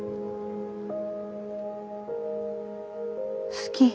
好き。